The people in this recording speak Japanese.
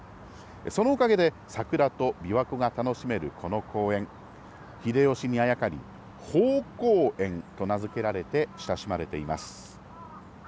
そのおかげで、桜とびわ湖が楽しめるこの公園、秀吉にあやかり、豊公園と名付けられて親しまれています。